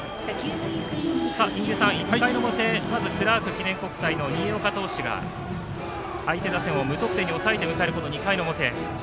１回の表まずクラーク記念国際の新岡投手が相手打線を無得点に抑えて迎える２回の表。